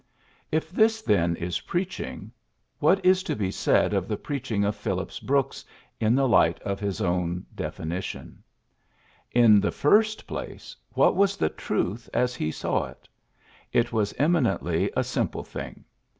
If this, then, is preaching, what is to be said of the preaching of Phillips Brooks in the light of his own definition 1 In the first place, what was the truth as he saw it! It was eminently a simple thing.